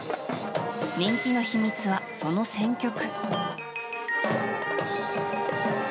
人気の秘密はその選曲。